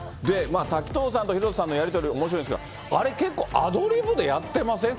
滝藤さんと広瀬さんの、やり取りおもしろいんですが、あれ、結構アドリブでやってません？